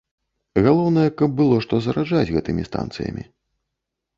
Галоўнае, каб было што зараджаць гэтымі станцыямі.